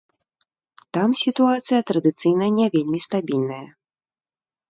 Там сітуацыя традыцыйна не вельмі стабільная.